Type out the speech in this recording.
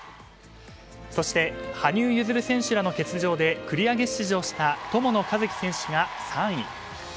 そして、羽生結弦選手らの欠場で繰り上げ出場した友野一希選手が３位。